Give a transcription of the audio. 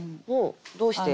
どうして？